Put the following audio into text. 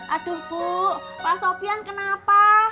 aduh bu pak sofian kenapa